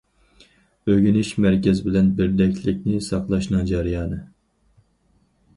ئۆگىنىش مەركەز بىلەن بىردەكلىكنى ساقلاشنىڭ جەريانى.